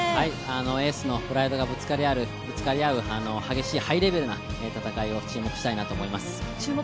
エースのプライドがぶつかり合う激しいハイレベルな戦いを注目したいなと思います。